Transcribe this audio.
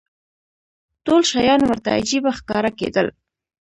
ټول شیان ورته عجیبه ښکاره کېدل.